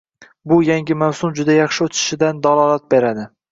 bu yangi mavsum juda yaxshi o‘tishidan dalolat beradi.